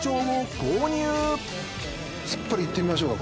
スッパリいってみましょうか。